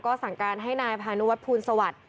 ก็สั่งการให้นายพานุวัฒนภูลสวัสดิ์